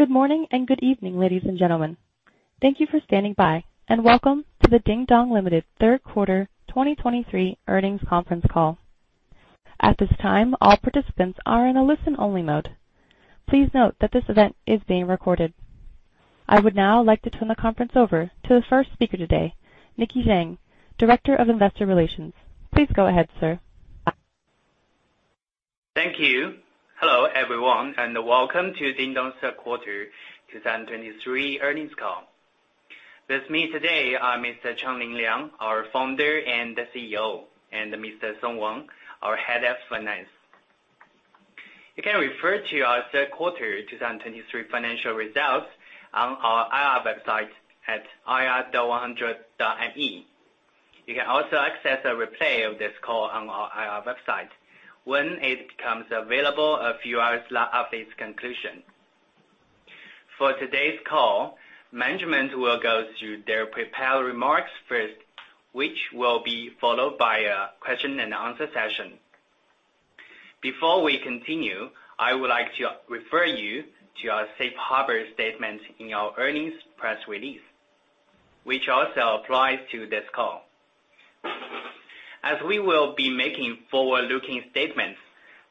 Good morning and good evening, ladies and gentlemen. Thank you for standing by, and welcome to the Dingdong (Cayman) Limited Third Quarter 2023 Earnings Conference Call. At this time, all participants are in a listen-only mode. Please note that this event is being recorded. I would now like to turn the conference over to the first speaker today, Nicky Zheng, Director of Investor Relations. Please go ahead, sir. Thank you. Hello, everyone, and welcome to Dingdong's Third Quarter 2023 Earnings Call. With me today are Mr. Changlin Liang, our founder and CEO, and Mr. Song Wang, our Head of Finance. You can refer to our Third Quarter 2023 Financial Results on our IR Website at ir.100.me. You can also access a replay of this call on our IR website when it becomes available a few hours after its conclusion. For today's call, management will go through their prepared remarks first, which will be followed by a question and answer session. Before we continue, I would like to refer you to our safe harbor statement in our earnings press release, which also applies to this call. As we will be making forward-looking statements,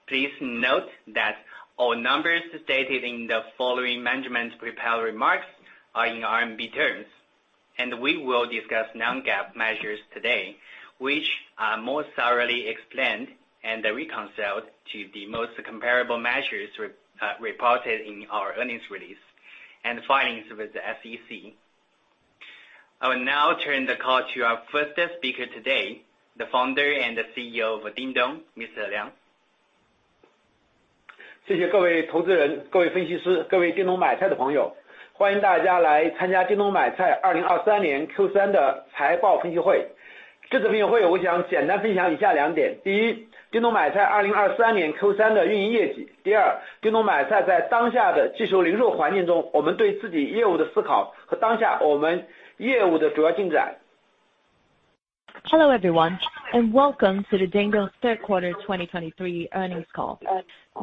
please note that all numbers stated in the following management prepared remarks are in RMB terms, and we will discuss non-GAAP measures today, which are more thoroughly explained and are reconciled to the most comparable measures reported in our earnings release and filings with the SEC. I will now turn the call to our first speaker today, the founder and the CEO of Dingdong, Mr. Liang. Hello, everyone, and welcome to the Dingdong Third Quarter 2023 Earnings Call.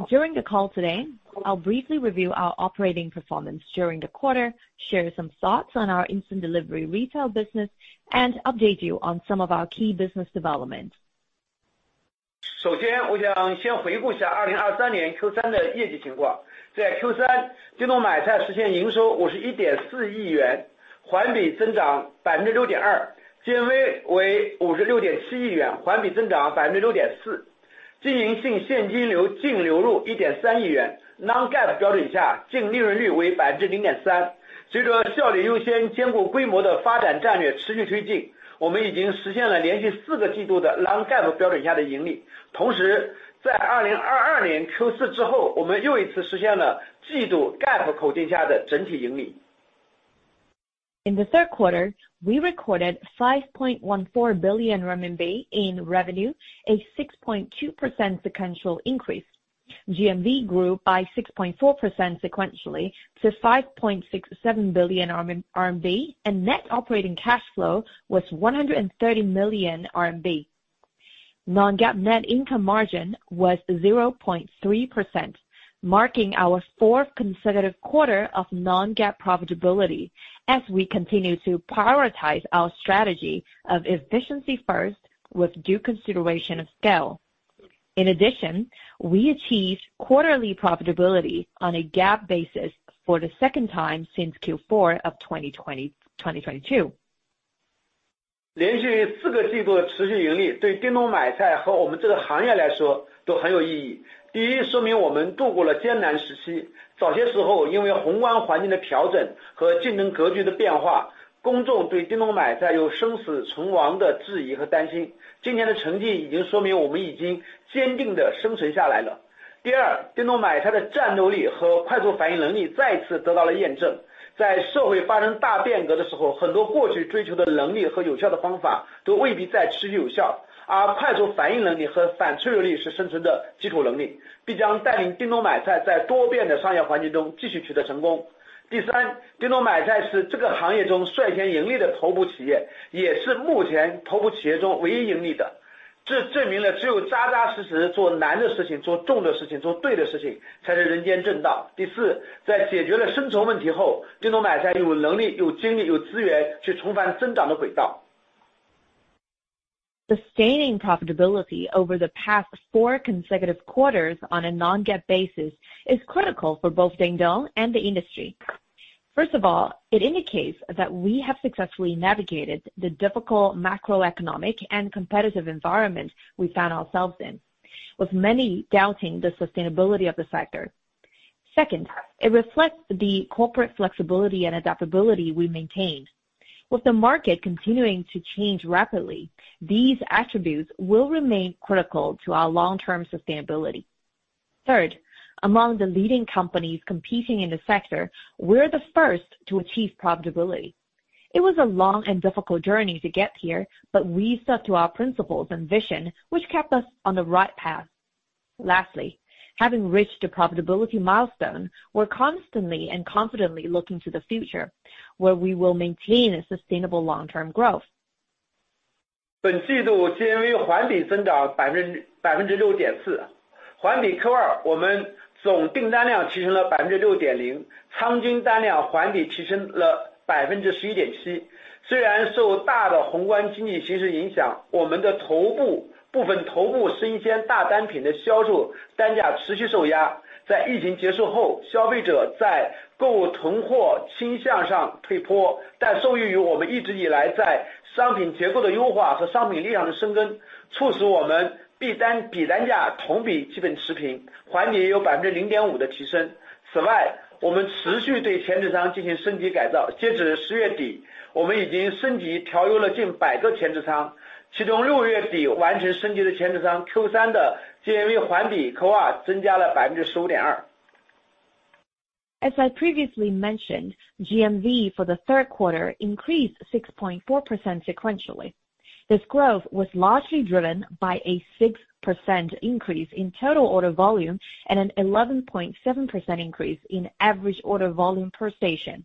During the call today, I'll briefly review our operating performance during the quarter, share some thoughts on our instant delivery retail business, and update you on some of our key business developments. In the third quarter, we recorded 5.14 billion renminbi in revenue, a 6.2% sequential increase. GMV grew by 6.4% sequentially to 5.67 billion RMB, and net operating cash flow was 130 million RMB. Non-GAAP net income margin was 0.3%, marking our fourth consecutive quarter of non-GAAP profitability as we continue to prioritize our strategy of efficiency first, with due consideration of scale. In addition, we achieved quarterly profitability on a GAAP basis for the second time since Q4 of 2020, 2022. Sustaining profitability over the past four consecutive quarters on a non-GAAP basis is critical for both Dingdong and the industry. First of all, it indicates that we have successfully navigated the difficult macroeconomic and competitive environment we found ourselves in, with many doubting the sustainability of the sector. Second, it reflects the corporate flexibility and adaptability we maintained. With the market continuing to change rapidly, these attributes will remain critical to our long-term sustainability. Third, among the leading companies competing in the sector, we're the first to achieve profitability. It was a long and difficult journey to get here, but we stuck to our principles and vision, which kept us on the right path. Lastly, having reached a profitability milestone, we're constantly and confidently looking to the future, where we will maintain a sustainable long-term growth. As I previously mentioned, GMV for the third quarter increased 6.4% sequentially. This growth was largely driven by a 6% increase in total order volume and an 11.7% increase in average order volume per station.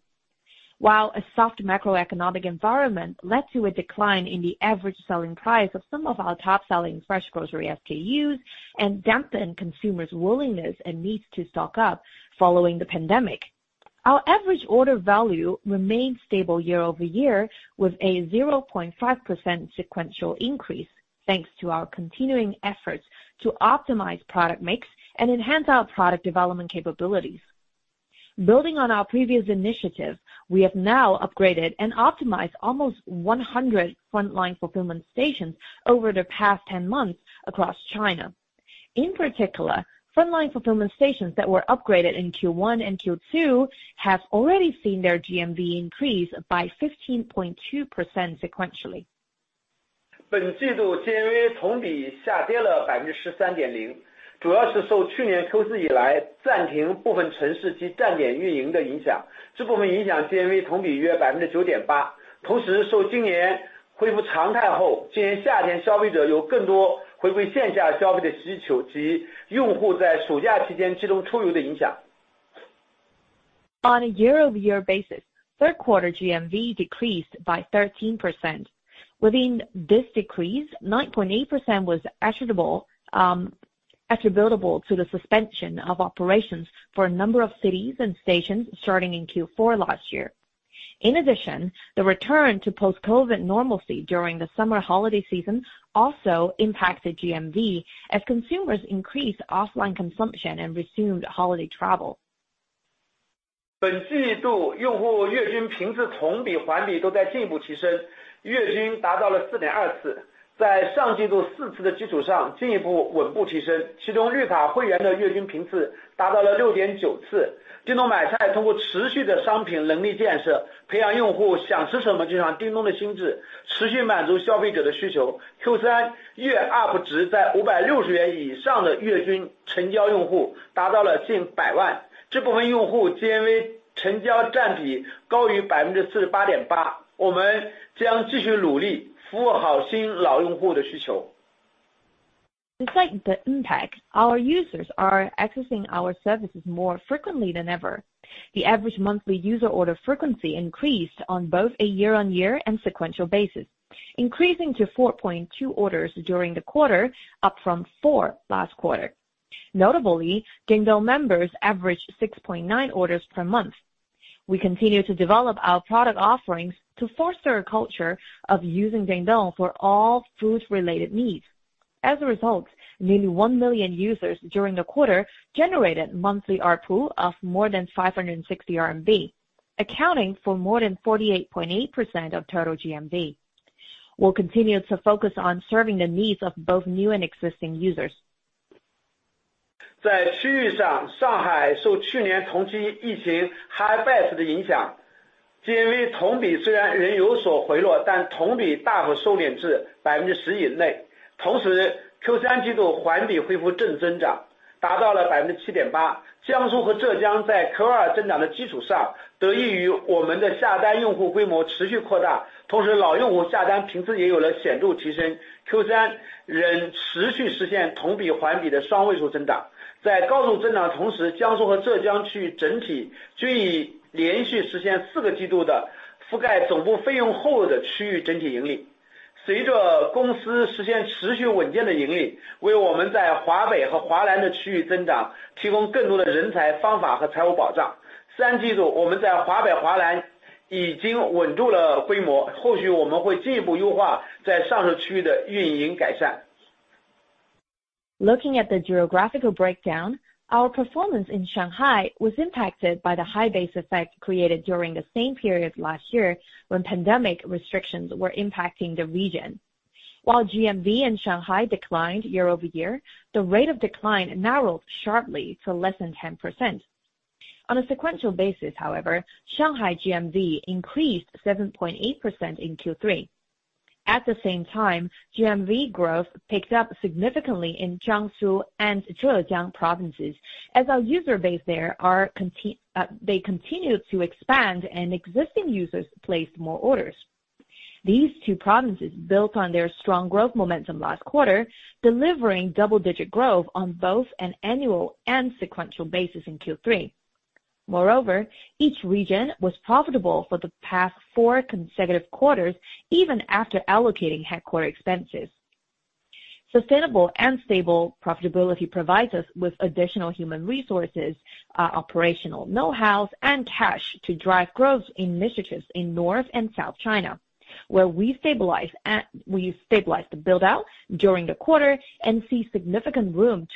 While a soft macroeconomic environment led to a decline in the average selling price of some of our top selling fresh grocery SKUs, and dampened consumers' willingness and needs to stock up following the pandemic, our average order value remained stable year-over-year with a 0.5% sequential increase, thanks to our continuing efforts to optimize product mix and enhance our product development capabilities. Building on our previous initiative, we have now upgraded and optimized almost 100 frontline fulfillment stations over the past 10 months across China. In particular, frontline fulfillment stations that were upgraded in Q1 and Q2 have already seen their GMV increase by 15.2% sequentially. 本季度GMV同比下跌了13.0%，主要是受去年Q4以来暂停部分城市及站点运营的影响，这部分影响GMV同比约9.8%。同时，受今年恢复常态后，今年夏天消费者有更多回归线下消费的需求，及用户在暑假期间集中出游的影响。On a year-over-year basis, third quarter GMV decreased by 13%. Within this decrease, 9.8% was attributable to the suspension of operations for a number of cities and stations starting in Q4 last year. In addition, the return to post-COVID normalcy during the summer holiday season also impacted GMV, as consumers increased offline consumption and resumed holiday travel. Despite the impact, our users are accessing our services more frequently than ever. The average monthly user order frequency increased on both a year-over-year and sequential basis, increasing to 4.2 orders during the quarter, up from four last quarter. Notably, Dingdong members averaged 6.9 orders per month. We continue to develop our product offerings to foster a culture of using Dingdong for all food-related needs. As a result, nearly one million users during the quarter generated monthly ARPU of more than 560 RMB, accounting for more than 48.8% of total GMV. We'll continue to focus on serving the needs of both new and existing users. 在区域上，上海受去年同期疫情 high base 的影响，GMV Looking at the geographical breakdown, our performance in Shanghai was impacted by the high base effect created during the same period last year, when pandemic restrictions were impacting the region. While GMV in Shanghai declined year-over-year, the rate of decline narrowed sharply to less than 10%. On a sequential basis, however, Shanghai GMV increased 7.8% in Q3. At the same time, GMV growth picked up significantly in Jiangsu and Zhejiang provinces, as our user base there continued to expand and existing users placed more orders. These two provinces built on their strong growth momentum last quarter, delivering double-digit growth on both an annual and sequential basis in Q3. Moreover, each region was profitable for the past four consecutive quarters, even after allocating headquarters expenses. Sustainable and stable profitability provides us with additional human resources, operational know-hows, and cash to drive growth initiatives in North and South China, where we stabilize and we stabilize the build-out during the quarter and see significant room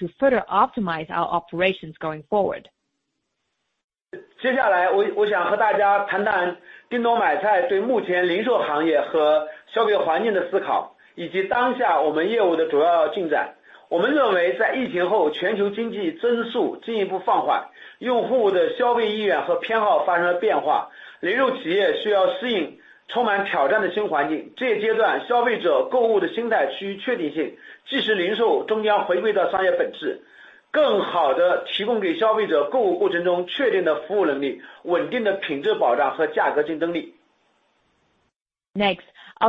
to further optimize our operations going forward. 接下来，我想和大家谈谈叮咚买菜对目前零售行业和消费环境的思考，以及当下我们业务的主要进展。我们认为，在疫情后，全球经济增长进一步放缓，用户消费意愿和偏好发生了变化，零售企业需要适应充满挑战的新环境。这一阶段，消费者购物的心态趋于确定性，即时零售终将回归到商业本质，更好地提供给消费者购物过程中确定的服务能力、稳定的品质保障和价格竞争力。Next, I'll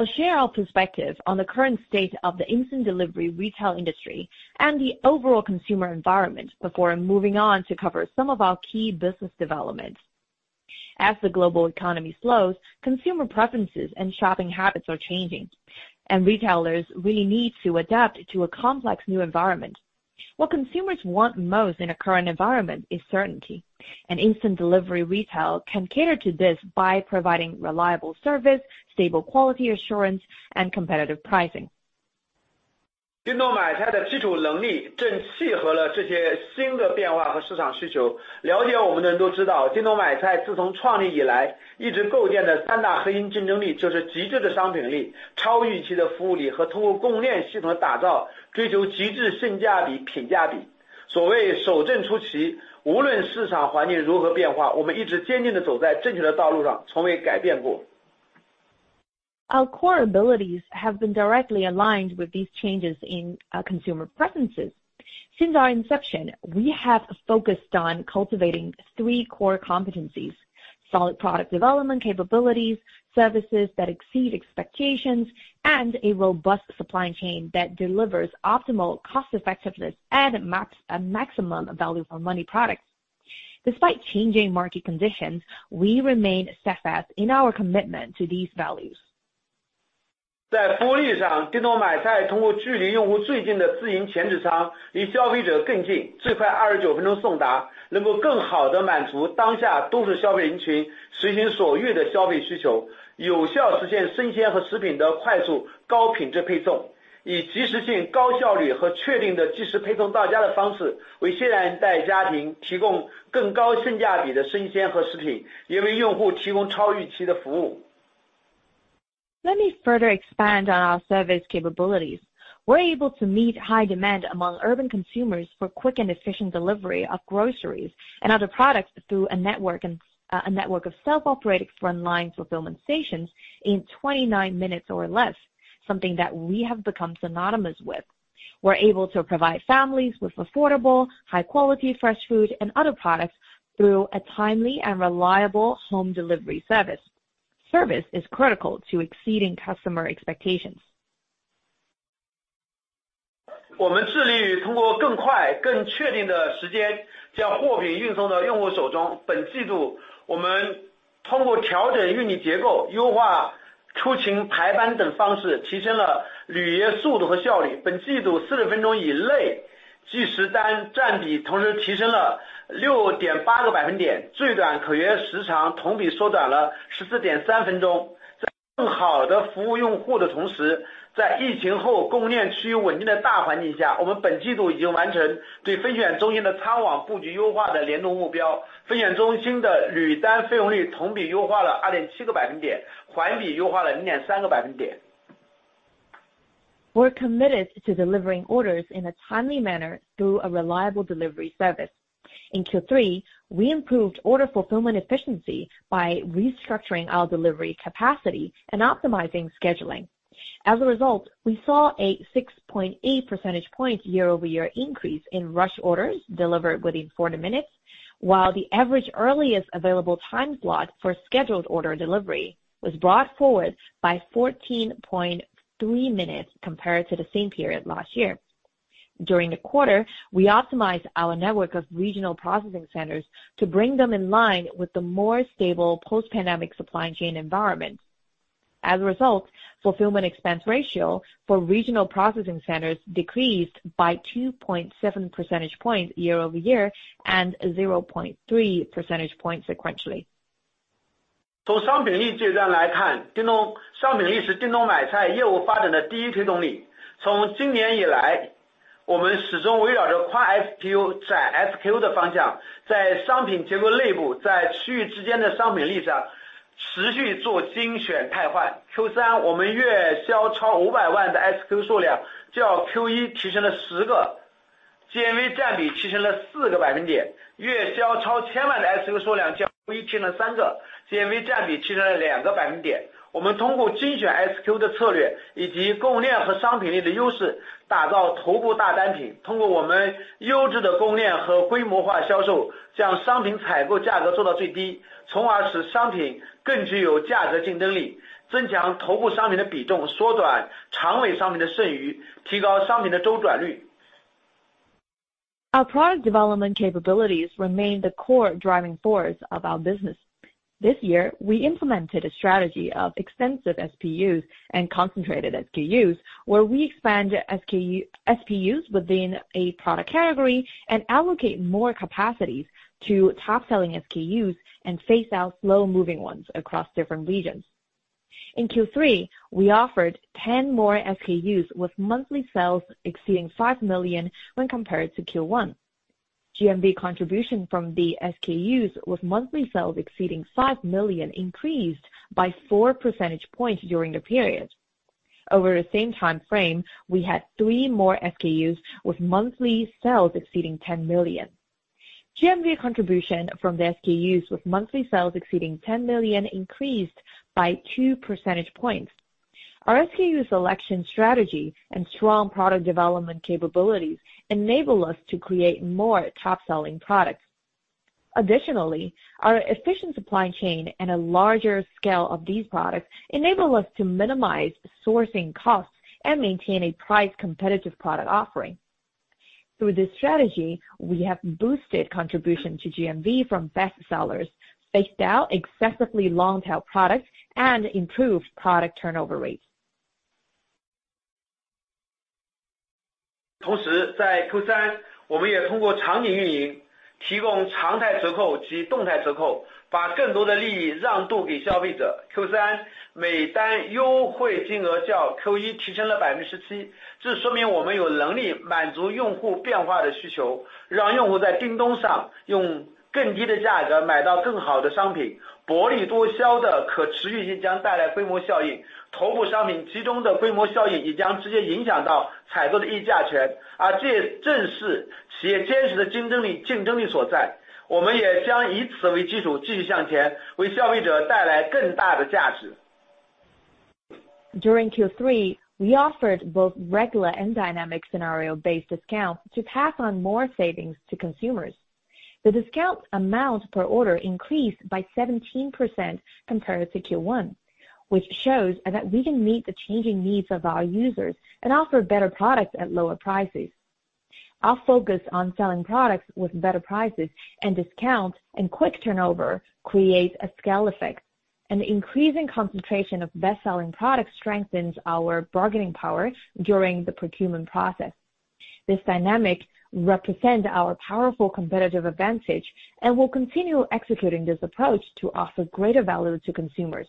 share our perspective on the current state of the instant delivery retail industry and the overall consumer environment before moving on to cover some of our key business developments. As the global economy slows, consumer preferences and shopping habits are changing, and retailers really need to adapt to a complex new environment. What consumers want most in a current environment is certainty, and instant delivery retail can cater to this by providing reliable service, stable quality assurance, and competitive pricing. Our core abilities have been directly aligned with these changes in consumer preferences. Since our inception, we have focused on cultivating three core competencies: solid product development capabilities, services that exceed expectations, and a robust supply chain that delivers optimal cost effectiveness and a maximum value for money product. Despite changing market conditions, we remain steadfast in our commitment to these values. Let me further expand on our service capabilities. We're able to meet high demand among urban consumers for quick and efficient delivery of groceries and other products through a network and a network of self-operated frontline fulfillment stations in 29 minutes or less, something that we have become synonymous with. We're able to provide families with affordable, high quality, fresh food and other products through a timely and reliable home delivery service. Service is critical to exceeding customer expectations. 我们致力于通过更快、更确定的时间，将货品运送到用户手中。本季度，我们通过调整运营结构，优化出勤排班等方式，提升了履约速度和效率。本季度40分钟以内，即时单占比同时提升了6.8个百分点，最短可约时长同比缩短了14.3分钟。在更好地服务用户的同時，在疫情后供应链趋于稳定的大环境下，我们本季度已经完成对分拣中心的仓网布局优化的联动目标。分拣中心的履单费用率同比优化了2.7个百分点，环比优化了0.3个百分点。We're committed to delivering orders in a timely manner through a reliable delivery service. In Q3, we improved order fulfillment efficiency by restructuring our delivery capacity and optimizing scheduling. As a result, we saw a 6.8 percentage points year-over-year increase in rush orders delivered within 40 minutes, while the average earliest available time slot for scheduled order delivery was brought forward by 14.3 minutes compared to the same period last year. During the quarter, we optimized our network of regional processing centers to bring them in line with the more stable post pandemic supply chain environment. As a result, fulfillment expense ratio for regional processing centers decreased by 2.7 percentage points year-over-year and 0.3 percentage points sequentially. ...Our product development capabilities remain the core driving force of our business. This year, we implemented a strategy of extensive SPUs and concentrated SKUs, where we expand SKUs, SPUs within a product category and allocate more capacities to top-selling SKUs and phase out slow-moving ones across different regions. In Q3, we offered 10 more SKUs with monthly sales exceeding 5 million when compared to Q1. GMV contribution from the SKUs with monthly sales exceeding 5 million increased by four percentage points during the period. Over the same time frame, we had three more SKUs with monthly sales exceeding 10 million. GMV contribution from the SKUs with monthly sales exceeding 10 million increased by two percentage points. Our SKU selection strategy and strong product development capabilities enable us to create more top-selling products. Additionally, our efficient supply chain and a larger scale of these products enable us to minimize sourcing costs and maintain a price-competitive product offering. Through this strategy, we have boosted contribution to GMV from best sellers, phased out excessively long-tail products, and improved product turnover rates. During Q3, we offered both regular and dynamic scenario-based discounts to pass on more savings to consumers. The discount amount per order increased by 17% compared to Q1, which shows that we can meet the changing needs of our users and offer better products at lower prices. Our focus on selling products with better prices and discounts and quick turnover creates a scale effect, and the increasing concentration of best-selling products strengthens our bargaining power during the procurement process. This dynamic represent our powerful competitive advantage and will continue executing this approach to offer greater value to consumers.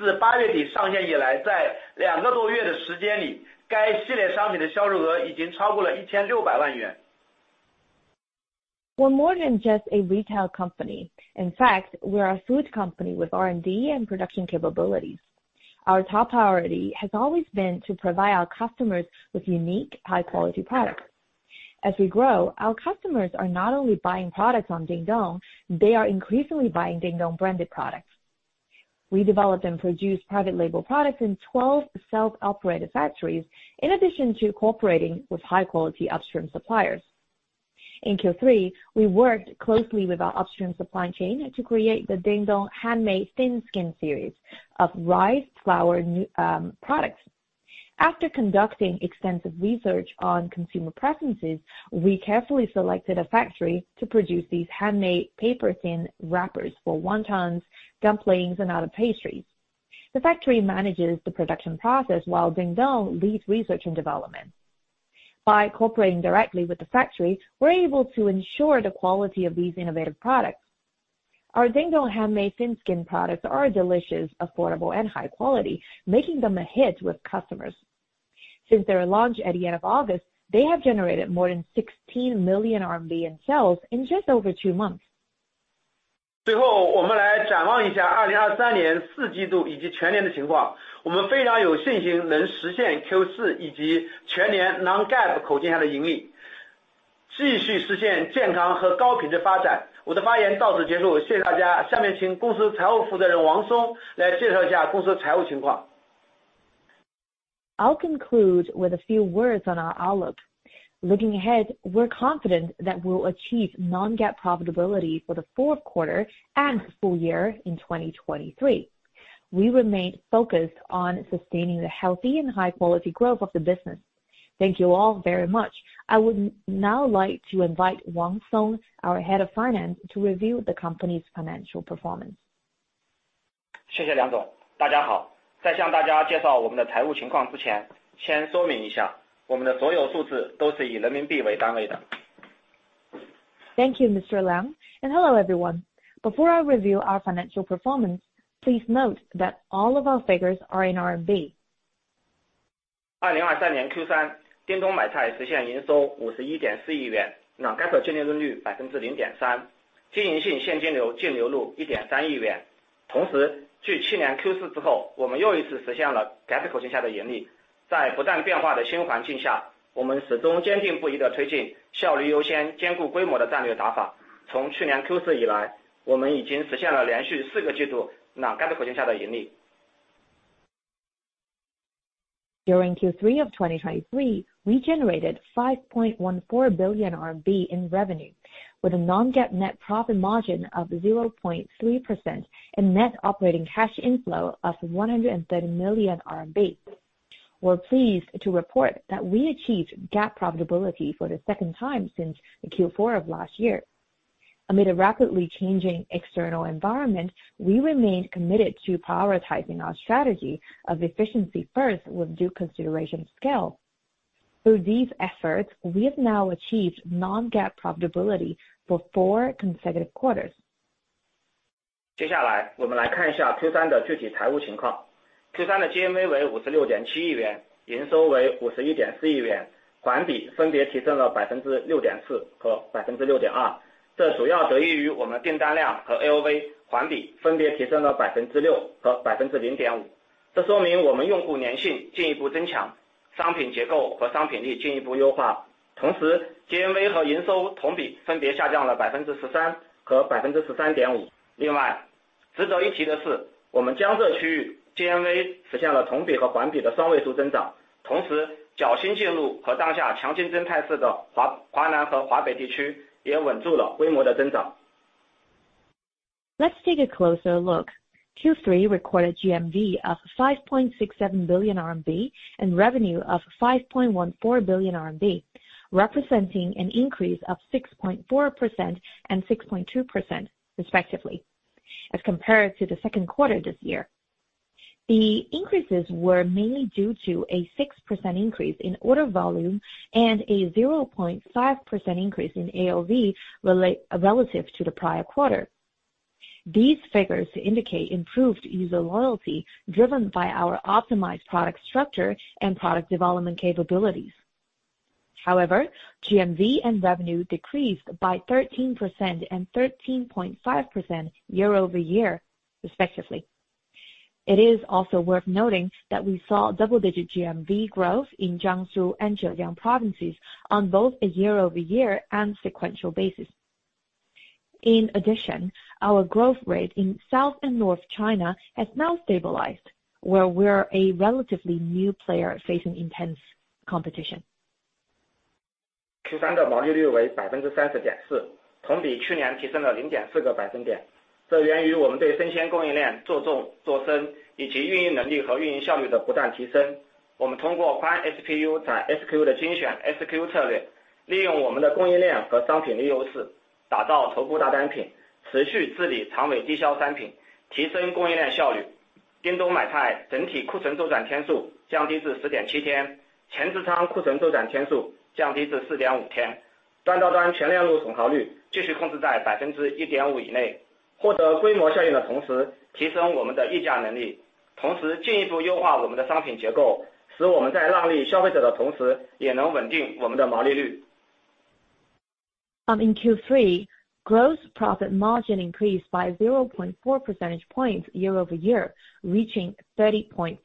We're more than just a retail company. In fact, we're a food company with R&D and production capabilities. Our top priority has always been to provide our customers with unique, high-quality products. As we grow, our customers are not only buying products on Dingdong, they are increasingly buying Dingdong-branded products. We develop and produce private label products in 12 self-operated factories, in addition to cooperating with high-quality upstream suppliers. In Q3, we worked closely with our upstream supply chain to create the Dingdong Handmade Thin Skin series of rice flour products. After conducting extensive research on consumer preferences, we carefully selected a factory to produce these handmade paper-thin wrappers for wontons, dumplings, and other pastries. The factory manages the production process while Dingdong leads research and development. By cooperating directly with the factory, we're able to ensure the quality of these innovative products. Our Dingdong Handmade Thin Skin products are delicious, affordable, and high quality, making them a hit with customers. Since their launch at the end of August, they have generated more than 16 million RMB in sales in just over two months. I'll conclude with a few words on our outlook. Looking ahead, we're confident that we'll achieve non-GAAP profitability for the fourth quarter and full year in 2023. We remain focused on sustaining the healthy and high-quality growth of the business. Thank you all very much. I would now like to invite Song Wang, our Head of Finance, to review the company's financial performance. Thank you, Mr. Liang, and hello, everyone. Before I review our financial performance, please note that all of our figures are in RMB. During Q3 of 2023, we generated 5.14 billion RMB in revenue, with a non-GAAP net profit margin of 0.3% and net operating cash inflow of 130 million RMB. We're pleased to report that we achieved GAAP profitability for the second time since the Q4 of last year. Amid a rapidly changing external environment, we remained committed to prioritizing our strategy of efficiency first, with due consideration scale. Through these efforts, we have now achieved non-GAAP profitability for four consecutive quarters. Let's take a closer look. Q3 recorded GMV of 5.67 billion RMB, and revenue of 5.14 billion RMB, representing an increase of 6.4% and 6.2%, respectively, as compared to the second quarter this year. The increases were mainly due to a 6% increase in order volume and a 0.5% increase in AOV relative to the prior quarter. These figures indicate improved user loyalty, driven by our optimized product structure and product development capabilities. However, GMV and revenue decreased by 13% and 13.5% year-over-year, respectively. It is also worth noting that we saw double-digit GMV growth in Jiangsu and Zhejiang provinces on both a year-over-year and sequential basis. In addition, our growth rate in South and North China has now stabilized, where we're a relatively new player facing intense competition. Q3 gross profit margin increased by 0.4 percentage points year-over-year, reaching 30.4%.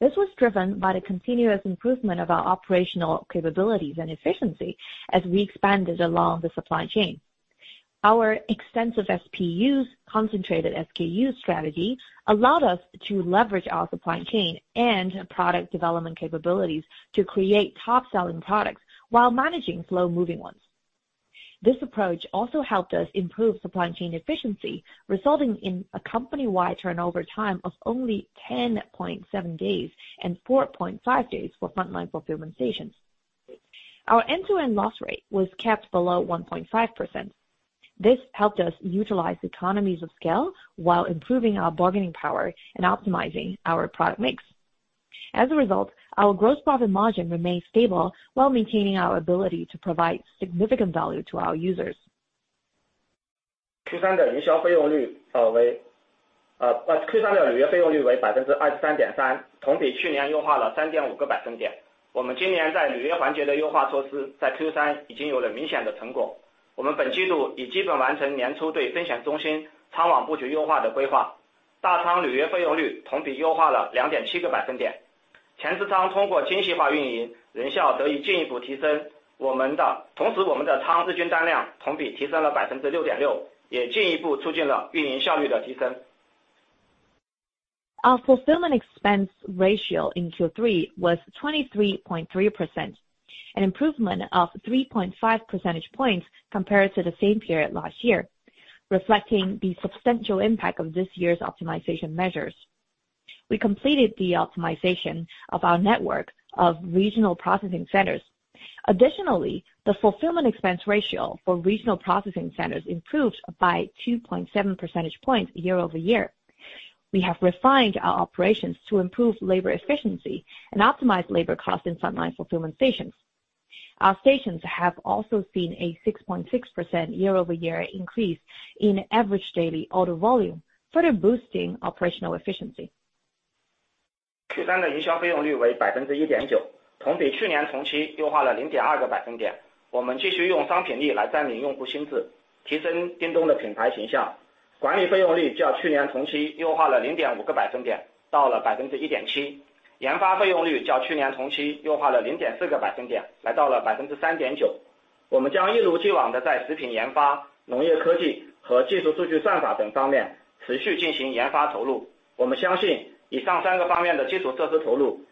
This was driven by the continuous improvement of our operational capabilities and efficiency as we expanded along the supply chain. Our extensive SPUs concentrated SKU strategy allowed us to leverage our supply chain and product development capabilities to create top selling products while managing slow-moving ones. This approach also helped us improve supply chain efficiency, resulting in a company-wide turnover time of only 10.7 days, and 4.5 days for frontline fulfillment stations. Our end-to-end loss rate was kept below 1.5%. This helped us utilize economies of scale while improving our bargaining power and optimizing our product mix. As a result, our gross profit margin remained stable while maintaining our ability to provide significant value to our users. Our fulfillment expense ratio in Q3 was 23.3%, an improvement of 3.5 percentage points compared to the same period last year, reflecting the substantial impact of this year's optimization measures. We completed the optimization of our network of regional processing centers. Additionally, the fulfillment expense ratio for regional processing centers improved by 2.7 percentage points year-over-year. We have refined our operations to improve labor efficiency and optimize labor costs in frontline fulfillment stations. Our stations have also seen a 6.6% year-over-year increase in average daily order volume, further boosting operational efficiency.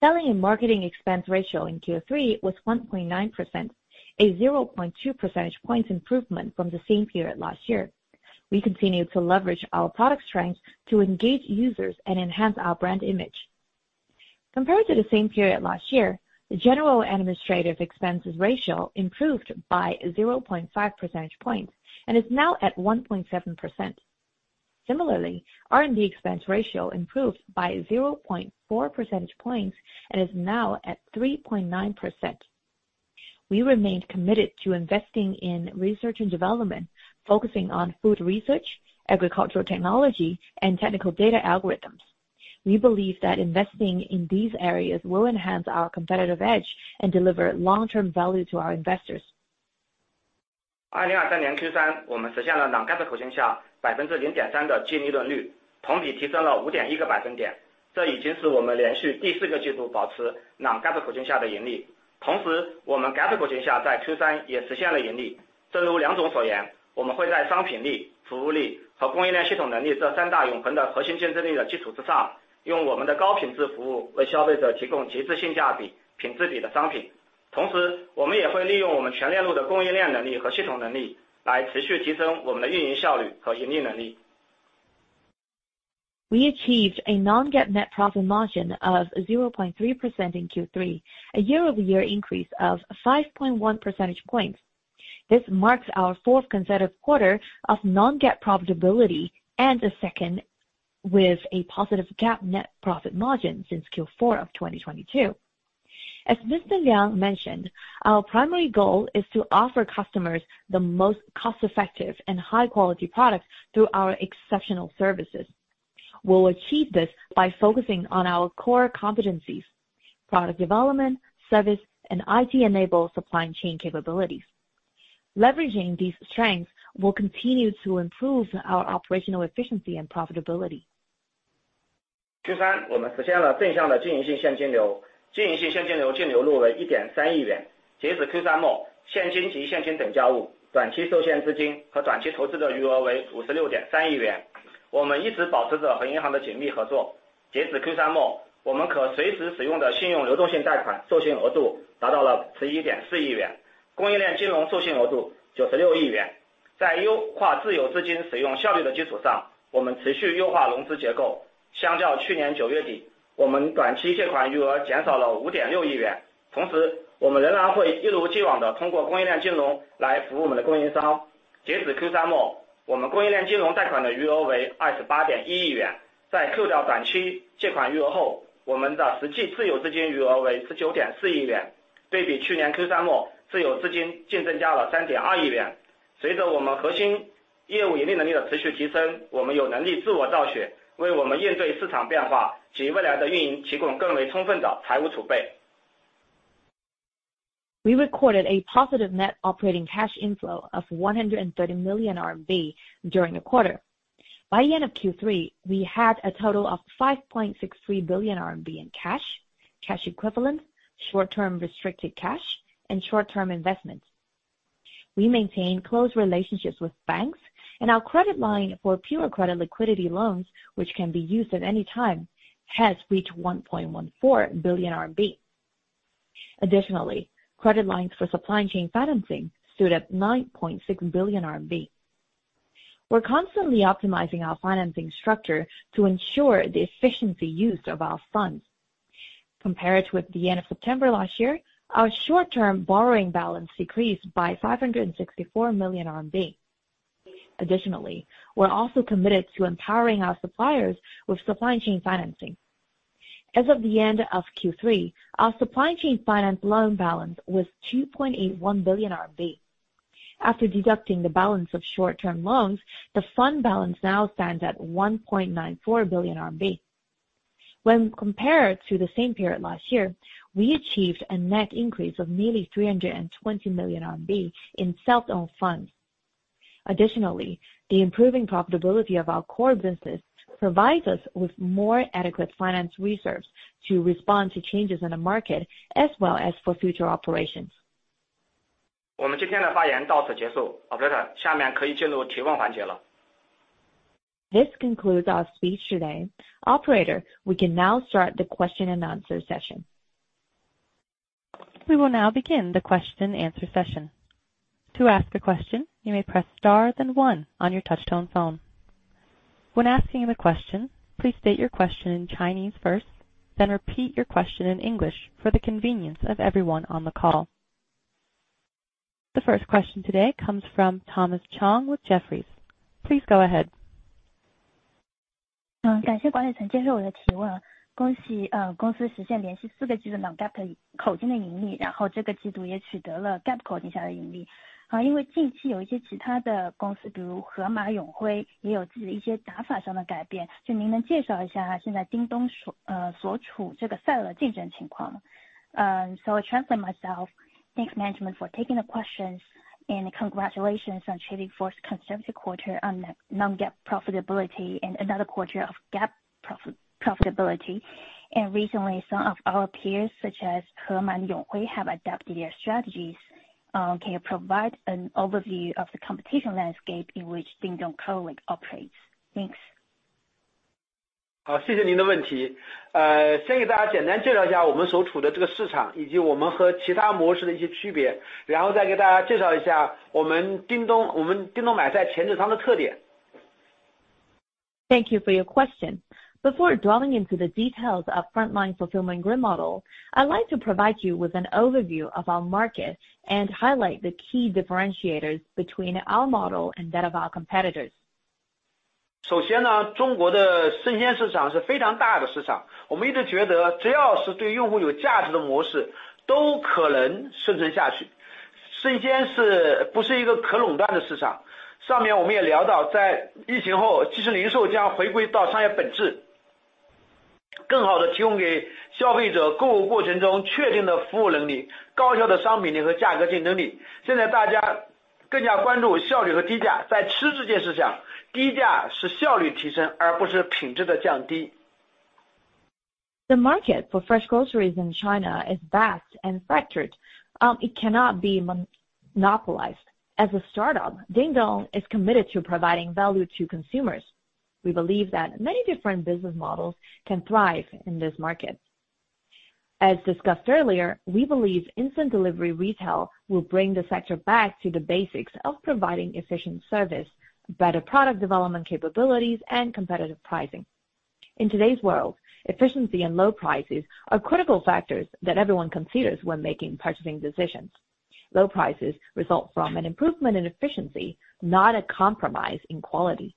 Selling and marketing expense ratio in Q3 was 1.9%, a 0.2 percentage points improvement from the same period last year. We continued to leverage our product strength to engage users and enhance our brand image. Compared to the same period last year, the general administrative expenses ratio improved by 0.5 percentage points and is now at 1.7%. Similarly, R&D expense ratio improved by 0.4 percentage points and is now at 3.9%. We remained committed to investing in research and development, focusing on food research, agricultural technology, and technical data algorithms. We believe that investing in these areas will enhance our competitive edge and deliver long-term value to our investors. We achieved a non-GAAP net profit margin of 0.3% in Q3, a year-over-year increase of 5.1 percentage points. This marks our fourth consecutive quarter of non-GAAP profitability and the second with a positive GAAP net profit margin since Q4 of 2022. As Mr. Liang mentioned, our primary goal is to offer customers the most cost-effective and high-quality products through our exceptional services. We'll achieve this by focusing on our core competencies, product development, service, and IT-enabled supply chain capabilities. Leveraging these strengths will continue to improve our operational efficiency and profitability. We recorded a positive net operating cash inflow of 130 million RMB during the quarter. By the end of Q3, we had a total of 5.63 billion RMB in cash, cash equivalents, short-term restricted cash, and short-term investments. We maintain close relationships with banks, and our credit line for pure credit liquidity loans, which can be used at any time, has reached 1.14 billion RMB. Additionally, credit lines for supply chain financing stood at 9.6 billion RMB. We're constantly optimizing our financing structure to ensure the efficient use of our funds. Compared with the end of September last year, our short-term borrowing balance decreased by 564 million RMB. Additionally, we're also committed to empowering our suppliers with supply chain financing. As of the end of Q3, our supply chain finance loan balance was 2.81 billion RMB. After deducting the balance of short-term loans, the fund balance now stands at 1.94 billion RMB. When compared to the same period last year, we achieved a net increase of nearly 320 million RMB in self-owned funds. Additionally, the improving profitability of our core business provides us with more adequate finance reserves to respond to changes in the market as well as for future operations. This concludes our speech today. Operator, we can now start the question and answer session. We will now begin the question and answer session. To ask a question, you may press star then one on your touchtone phone. When asking the question, please state your question in Chinese first, then repeat your question in English for the convenience of everyone on the call. The first question today comes from Thomas Chong with Jefferies. Please go ahead. So I translate myself. Thanks, management, for taking the questions, and congratulations on the fourth consecutive quarter of non-GAAP profitability and another quarter of GAAP profitability. Recently, some of our peers, such as Hema, Yonghui, have adapted their strategies. Can you provide an overview of the competition landscape in which Dingdong currently operates? Thanks. 好，谢谢您的问题。先给大家简单介绍一下我们所处的这个市场，以及我们和其他模式的一些区别，然后再给大家介绍一下我们叮咚，我们叮咚买菜前置仓的特点。Thank you for your question. Before delving into the details of frontline fulfillment grid model, I'd like to provide you with an overview of our market and highlight the key differentiators between our model and that of our competitors. 首先呢，中国的生鲜市场是非常大的市场，我们一直觉得，只要是对用户有价值的模式，都可能生存下去。生鲜是不是一个可垄断的市场，上面我们也聊到，在疫情后，即时零售将回归到商业本质，更好地提供给消费者购物过程中确定的服务能力、高效的商品力和价格竞争力。现在大家更加关注效率和低价，在吃这件事上，低价是效率提升，而不是品质的降低。The market for fresh groceries in China is vast and fractured. It cannot be monopolized. As a startup, Dingdong is committed to providing value to consumers. We believe that many different business models can thrive in this market. As discussed earlier, we believe instant delivery retail will bring the sector back to the basics of providing efficient service, better product development capabilities, and competitive pricing. In today's world, efficiency and low prices are critical factors that everyone considers when making purchasing decisions. Low prices result from an improvement in efficiency, not a compromise in quality.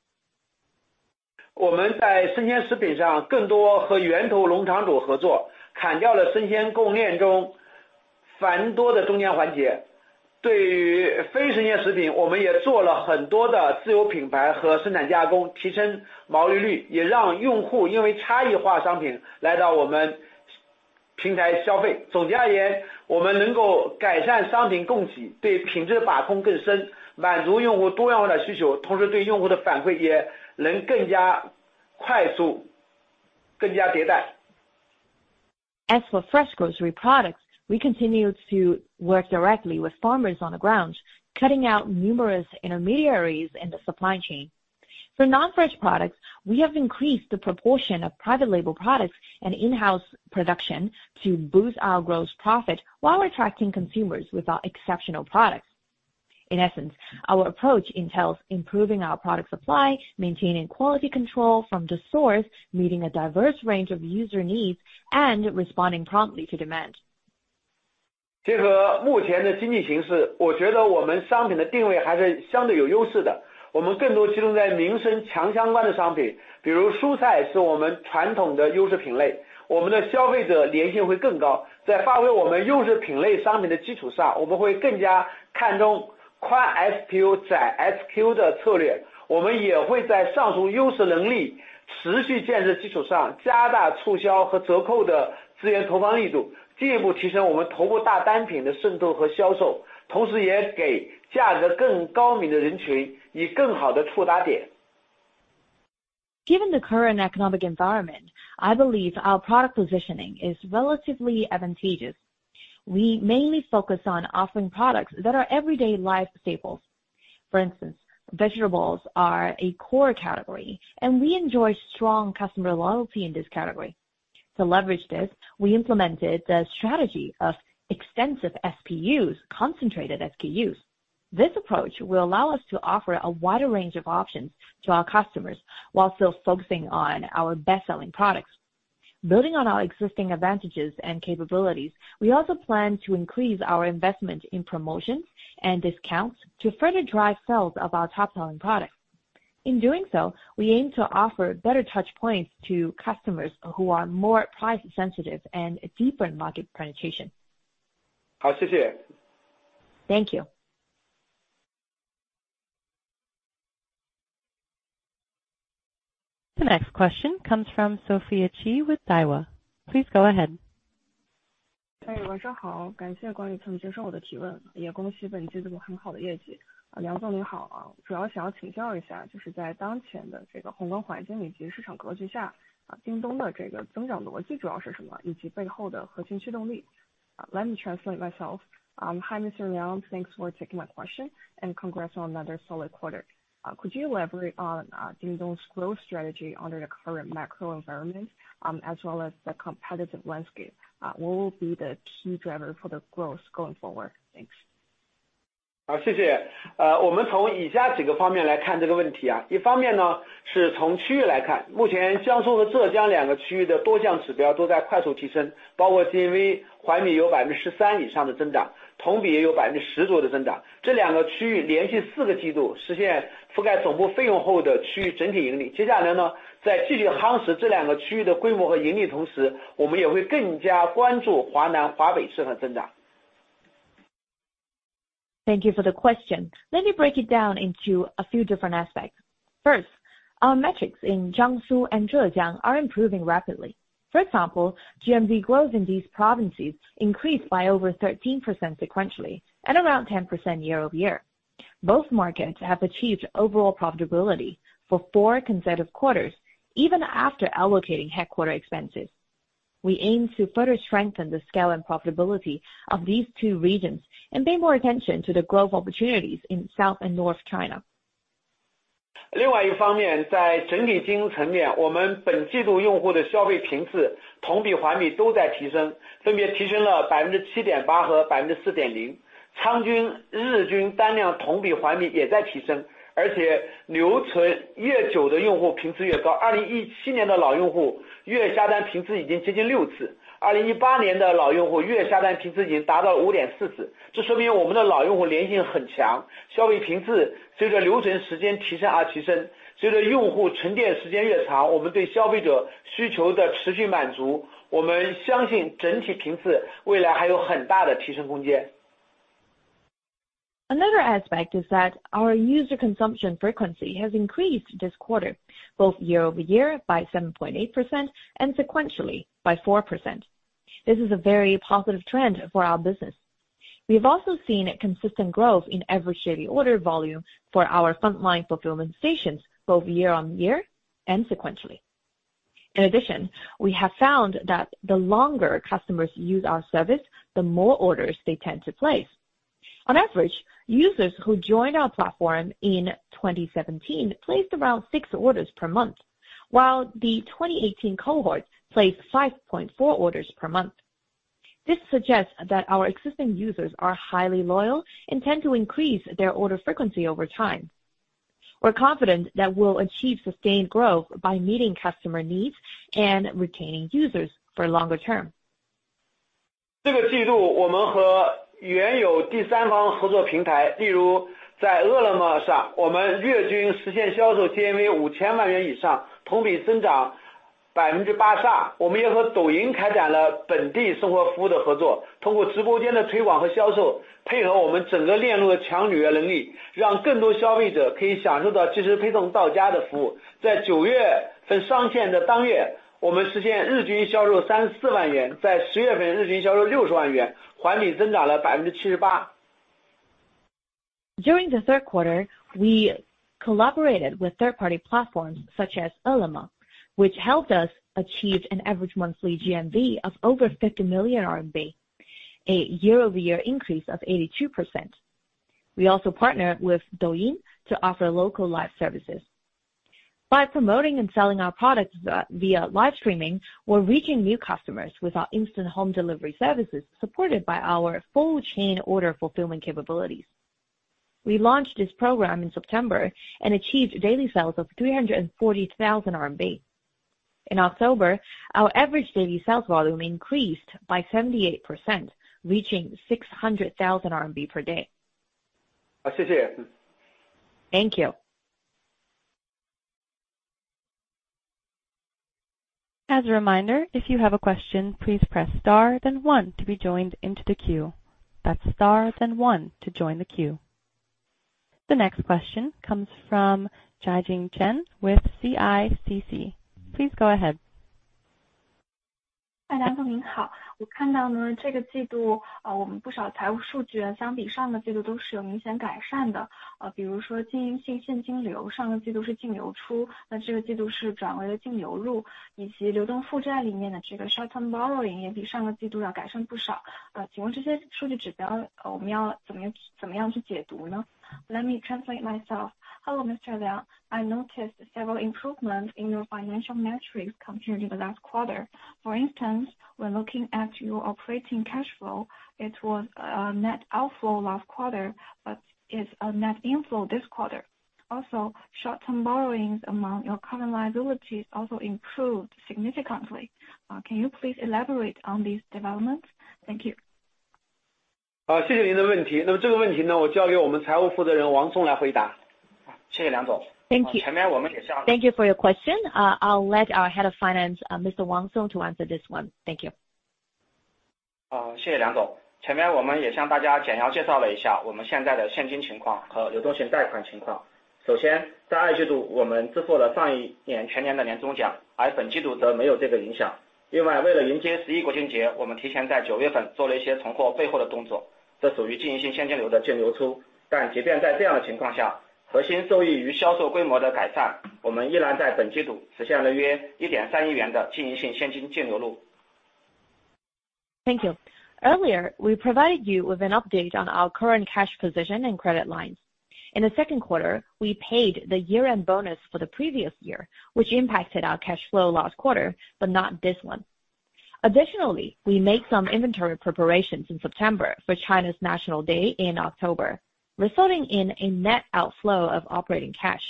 As for fresh grocery products, we continue to work directly with farmers on the ground, cutting out numerous intermediaries in the supply chain. For non-fresh products, we have increased the proportion of private label products and in-house production to boost our gross profit while attracting consumers with our exceptional products. In essence, our approach entails improving our product supply, maintaining quality control from the source, meeting a diverse range of user needs, and responding promptly to demand. 结合目前的经济社会，我觉得我们商品的定位还是相对有优势的，我们更多集中在民生强相关的商品，比如蔬菜，是我们传统的优势品类，我们的消费者粘性会更高。在发挥我们优势品类商品的基础上，我们会更加看重宽SPU，窄SKU的策略，我们也会在上述优势能力持续建设基础上，加大促销和折扣的资源投放力度，进一步提升我们头部大单品的渗透和销售，同时也给价格更敏感的人群以更好的触达点。Given the current economic environment, I believe our product positioning is relatively advantageous. We mainly focus on offering products that are everyday life staples. For instance, vegetables are a core category, and we enjoy strong customer loyalty in this category. To leverage this, we implemented a strategy of extensive SPUs, concentrated SKUs. This approach will allow us to offer a wider range of options to our customers while still focusing on our best-selling products. Building on our existing advantages and capabilities, we also plan to increase our investment in promotions and discounts to further drive sales of our top-selling products. In doing so, we aim to offer better touch points to customers who are more price sensitive and a deeper market penetration. 好，谢谢。Thank you. The next question comes from Sophia Qi with Daiwa. Please go ahead. 哎，晚上好，感谢管理层接受我的提问，也恭喜本季度很好的业绩。梁总，您好，主要想要请教一下，就是在当前这个宏观环境以及市场格局下，叮咚的这个增长逻辑主要是什麽，以及背后的核心驱动力？ Let me translate myself. Hi, Mr. Liang, thanks for taking my question, and congrats on another solid quarter. Could you elaborate on Dingdong growth strategy under the current macro environment, as well as the competitive landscape? What will be the key driver for the growth going forward? Thanks. Thank you for the question. Let me break it down into a few different aspects. First, our metrics in Jiangsu and Zhejiang are improving rapidly. For example, GMV growth in these provinces increased by over 13% sequentially, and around 10% year-over-year. Both markets have achieved overall profitability for four consecutive quarters, even after allocating headquarters expenses. We aim to further strengthen the scale and profitability of these two regions and pay more attention to the growth opportunities in South and North China. Another aspect is that our user consumption frequency has increased this quarter, both year-over-year by 7.8% and sequentially by 4%. This is a very positive trend for our business. We've also seen a consistent growth in average daily order volume for our frontline fulfillment stations, both year-over-year and sequentially. In addition, we have found that the longer customers use our service, the more orders they tend to place. On average, users who join our platform in 2017 placed around six orders per month, while the 2018 cohorts placed 5.4 orders per month. This suggests that our existing users are highly loyal and tend to increase their order frequency over time. We're confident that we'll achieve sustained growth by meeting customer needs and retaining users for longer term. During the third quarter, we collaborated with third-party platforms such as Ele.me, which helped us achieve an average monthly GMV of over 50 million RMB, a year-over-year increase of 82%. We also partnered with Douyin to offer local live services. By promoting and selling our products via live streaming, we're reaching new customers with our instant home delivery services, supported by our full chain order fulfillment capabilities. We launched this program in September and achieved daily sales of 340,000 RMB. In October, our average daily sales volume increased by 78%, reaching 600,000 RMB per day. Thank you. As a reminder, if you have a question, please press star, then one to be joined into the queue. That's star, then one to join the queue. The next question comes from Jijing Chen with CICC. Please go ahead. Let me translate myself. Hello, Mr. Liang. I noticed several improvements in your financial metrics compared to the last quarter. For instance, when looking at your operating cash flow, it was net outflow last quarter, but is a net inflow this quarter. Also, short-term borrowings among your current liabilities also improved significantly. Can you please elaborate on these developments? Thank you. Thank you. Thank you for your question. I'll let our Head of Finance, Mr. Wang Song, to answer this one. Thank you. Thank you. Earlier, we provided you with an update on our current cash position and credit lines. In the second quarter, we paid the year-end bonus for the previous year, which impacted our cash flow last quarter, but not this one. Additionally, we made some inventory preparations in September for China's National Day in October, resulting in a net outflow of operating cash.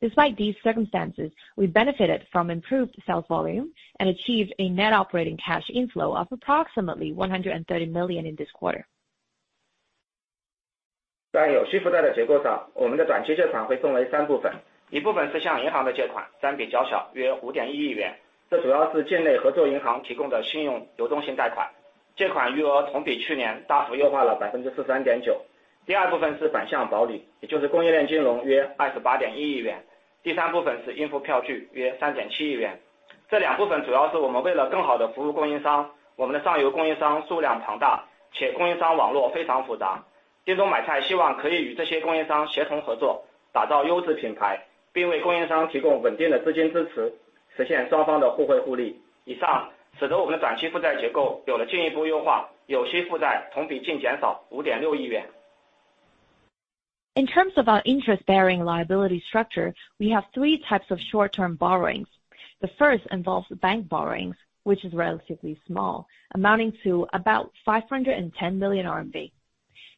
Despite these circumstances, we benefited from improved sales volume and achieved a net operating cash inflow of approximately 130 million in this quarter. In terms of our interest-bearing liability structure, we have three types of short-term borrowings. The first involves bank borrowings, which is relatively small, amounting to about 510 million RMB RMB.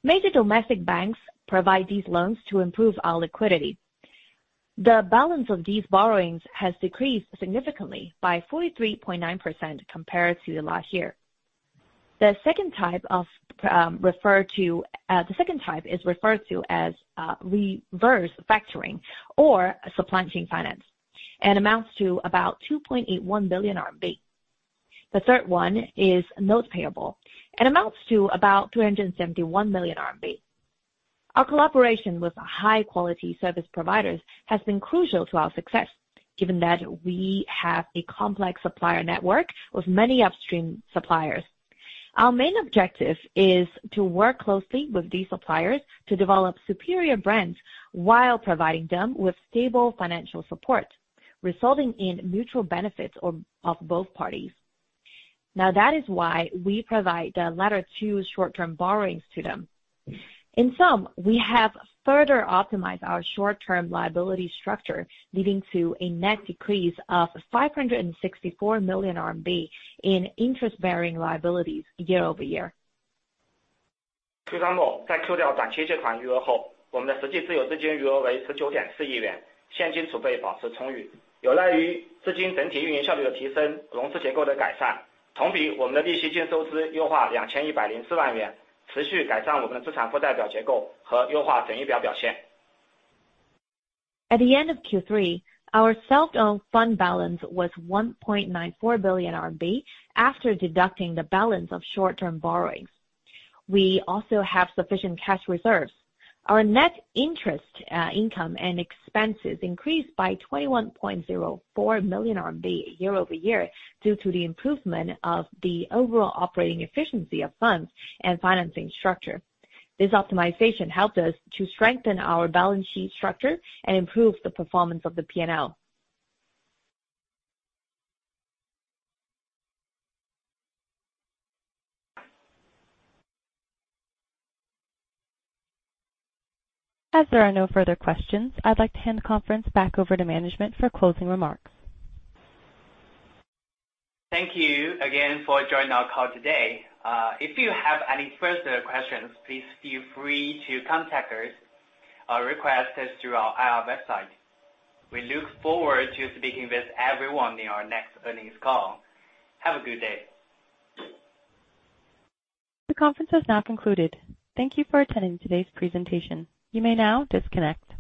Major domestic banks provide these loans to improve our liquidity. The balance of these borrowings has decreased significantly by 43.9% compared to last year. The second type is referred to as reverse factoring or supply chain finance, and amounts to about 2.81 billion RMB. The third one is note payable and amounts to about 271 million RMB. Our collaboration with high-quality service providers has been crucial to our success, given that we have a complex supplier network with many upstream suppliers. Our main objective is to work closely with these suppliers to develop superior brands while providing them with stable financial support, resulting in mutual benefits of both parties. Now, that is why we provide the latter two short-term borrowings to them. In sum, we have further optimized our short-term liability structure, leading to a net decrease of 564 million RMB in interest-bearing liabilities year-over-year. At the end of Q3, our self-owned fund balance was 1.94 billion RMB after deducting the balance of short-term borrowings. We also have sufficient cash reserves. Our net interest, income and expenses increased by 21.04 million RMB year-over-year, due to the improvement of the overall operating efficiency of funds and financing structure. This optimization helped us to strengthen our balance sheet structure and improve the performance of the P&L. As there are no further questions, I'd like to hand the conference back over to management for closing remarks. Thank you again for joining our call today. If you have any further questions, please feel free to contact us or request us through our IR website. We look forward to speaking with everyone in our next earnings call. Have a good day. The conference is now concluded. Thank you for attending today's presentation. You may now disconnect.